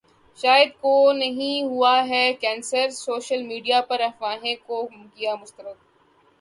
شاہد کونہیں ہوا ہے کینسر، سوشل میڈیا پرافواہوں کو کیا مسترد